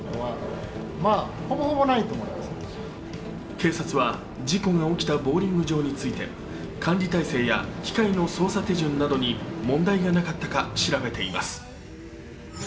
警察は事故が起きたボウリング場について管理体制や機械の操作手順などに問題がなかったか調べています。